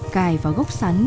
cài vào gốc sắn